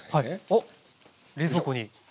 あっ冷蔵庫に。